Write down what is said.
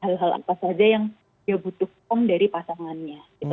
hal hal apa saja yang dia butuhkan dari pasangannya